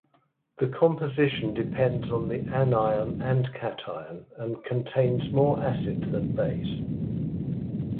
This composition depends on the anion and cation and contains more acid than base.